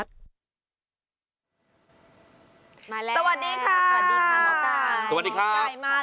สวัสดีค่ะ